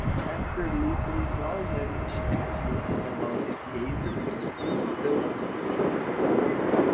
After listening to outlandish excuses about his behavior, Brooke dumps him.